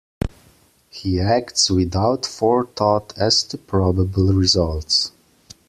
He acts without forethought as to probable results.